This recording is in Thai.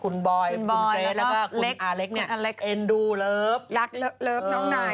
น้องนายรักมากนะคะ